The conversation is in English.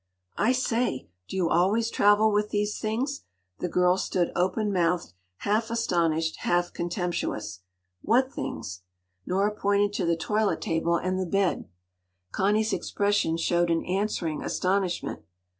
“I say, do you always travel with these things?” The girl stood open mouthed, half astonished, half contemptuous. “What things?” Nora pointed to the toilet table and the bed. Connie’s expression showed an answering astonishment.